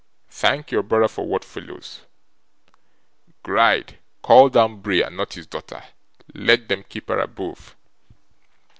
Thank your brother for what follows. Gride, call down Bray and not his daughter. Let them keep her above.